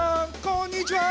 こんにちは。